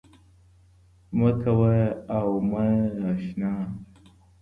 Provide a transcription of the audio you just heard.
مـــــه كـــــوه او مـــه اشـــنـــا